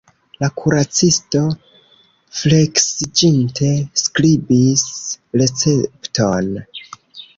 La kuracisto fleksiĝinte skribis recepton.